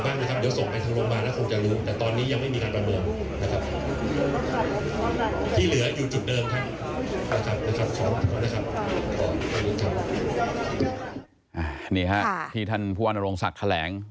ขอบคุณครับขอบคุณครับนี่ฮะที่ท่านผู้ว่านโรงศักดิ์แขลง